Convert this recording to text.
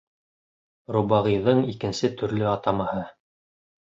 Робағиҙың икенсе төрлө атамаһы.